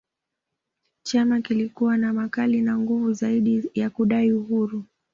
Chama kilikuwa na makali na nguvu zaidi ya kudai uhuru